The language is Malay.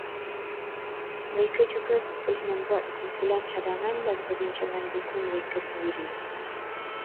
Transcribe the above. Mereka juga boleh membuat kumpulan cadangan dan perbincangan buku mereka sendiri